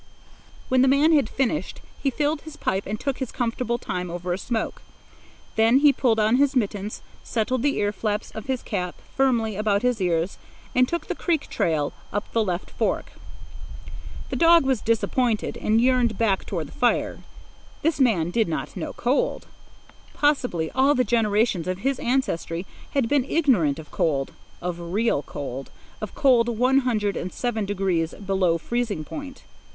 When the man had finished, he filled his pipe and took his comfortable time over a smoke. Then he pulled on his mittens, settled the ear flaps of his cap firmly about his ears, and took the creek trail up the left fork. The dog was disappointed and yearned back toward the fire. This man did not know cold. Possibly all the generations of his ancestry had been ignorant of cold, of real cold, of cold one hundred and seven degrees below freezing point.